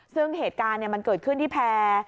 ซึ่งเหตุการณ์มันเกิดขึ้นที่แพร่